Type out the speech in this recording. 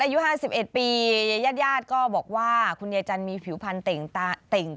อายุ๕๑ปีญาติญาติก็บอกว่าคุณยายจันทร์มีผิวพันธ์เต่ง